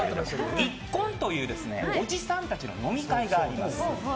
一献という、おじさんたちの飲み会がありまして